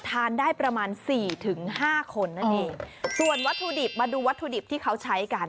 ทานได้ประมาณสี่ถึงห้าคนนั่นเองส่วนวัตถุดิบมาดูวัตถุดิบที่เขาใช้กัน